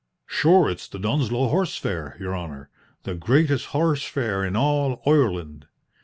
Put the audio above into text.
"Shure it's the Dunsloe horse fair, your honour the greatest horse fair in all Oireland.